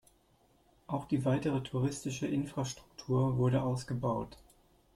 Auch die weitere touristische „Infrastruktur“ wurde ausgebaut.